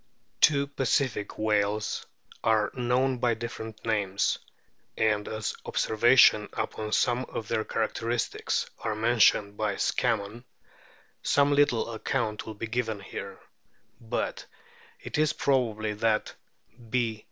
Two Pacific whales are known by different names ; and as observation upon some of their characteristics are mentioned by Scammon, some little account will be given here ; but it is probable that B.